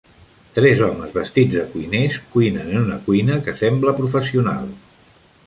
Tres homes vestits de cuiners cuinen en una cuina que sembla professional.